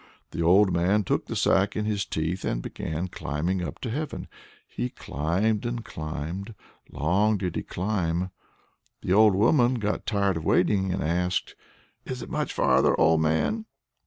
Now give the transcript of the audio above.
The old man took the sack in his teeth, and began climbing up to heaven. He climbed and climbed, long did he climb. The old woman got tired of waiting and asked: "Is it much farther, old man?"